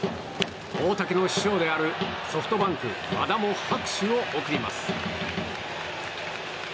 大竹の師匠であるソフトバンクの和田も拍手を送ります。